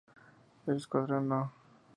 El escuadrón No.